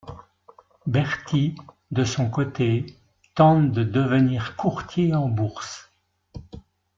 Bertie, de son côté, tente de devenir courtier en bourse.